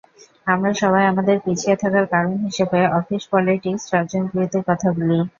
আমরা সবাই আমাদের পিছিয়ে থাকার কারণ হিসেবে অফিস পলিটিকস, স্বজনপ্রীতির কথা বলি।